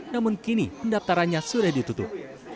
namun kini pendaftarannya sudah ditutup